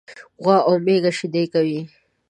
غوا او میږه شيدي کوي.